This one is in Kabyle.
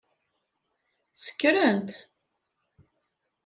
Ssekran-t.